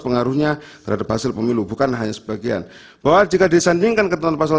pengaruhnya terhadap hasil pemilu bukan hanya sebagian bahwa jika disandingkan ketentuan pasal